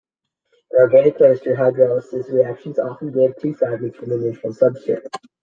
In organic chemistry, hydrolysis reactions often give two fragments from an initial substrate.